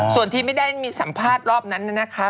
ส่วนที่ไม่ได้มีสัมภาษณ์รอบนั้นนะคะ